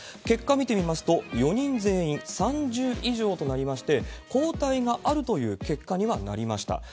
結果見てみますと、４人全員３０以上となりまして、抗体があるという結果にはなりました。